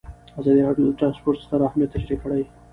ازادي راډیو د ترانسپورټ ستر اهميت تشریح کړی.